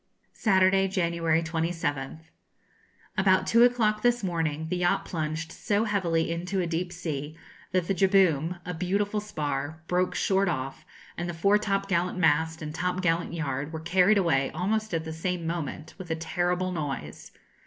Saturday, January 27th. About two o'clock this morning the yacht plunged so heavily into a deep sea, that the jibboom, a beautiful spar, broke short off, and the foretop gallant mast and topgallant yard were carried away almost at the same moment, with a terrible noise.